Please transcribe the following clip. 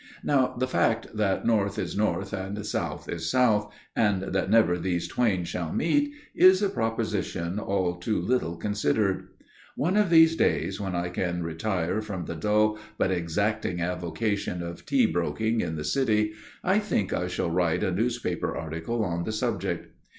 Now, the fact that North is North and South is South and that never these twain shall meet is a proposition all too little considered. One of these days when I can retire from the dull but exacting avocation of tea broking in the City, I think I shall write a newspaper article on the subject.